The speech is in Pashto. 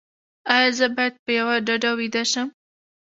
ایا زه باید په یوه ډډه ویده شم؟